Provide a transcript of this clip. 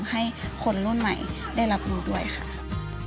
ให้คนรุ่นใหม่ได้รับรู้ด้วยค่ะ